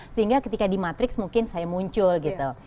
sehingga ketika di matrix mungkin saya muncul gitu